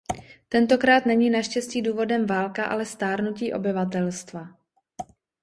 Tentokrát není naštěstí důvodem válka, ale stárnutí obyvatelstva.